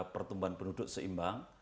pertumbuhan penduduk seimbang